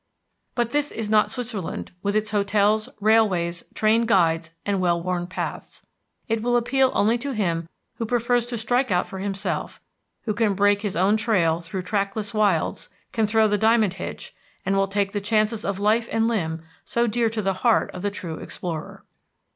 But this is not Switzerland, with its hotels, railways, trained guides, and well worn paths. It will appeal only to him who prefers to strike out for himself, who can break his own trail through trackless wilds, can throw the diamond hitch, and will take the chances of life and limb so dear to the heart of the true explorer."